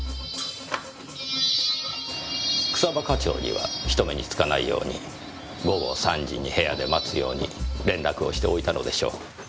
草葉課長には人目につかないように午後３時に部屋で待つように連絡をしておいたのでしょう。